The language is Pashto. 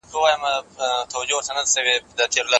ایا ماشوم به بیا کله هم د انا زړه وگتي؟